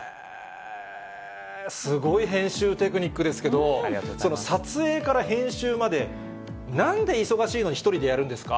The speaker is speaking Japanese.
すごい編集テクニックですけど、撮影から編集まで、なんで忙しいのに１人でやるんですか？